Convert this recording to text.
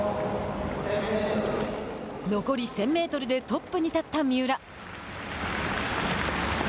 残り１０００メートルでトップに立った三浦。